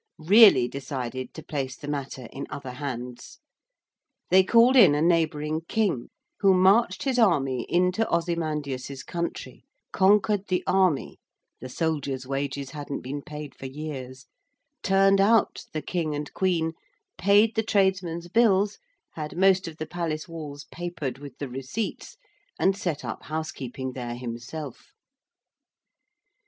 really decided to place the matter in other hands. They called in a neighbouring king who marched his army into Ozymandias's country, conquered the army the soldiers' wages hadn't been paid for years turned out the King and Queen, paid the tradesmen's bills, had most of the palace walls papered with the receipts, and set up housekeeping there himself.